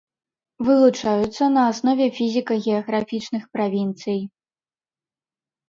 Вылучаюцца на аснове фізіка-геаграфічных правінцый.